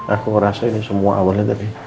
aku ngerasa ini semua awalnya tadi